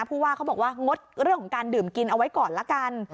ผู้ว่าเขาบอกว่างดเรื่องของการดื่มกินเอาไว้ก่อนละกัน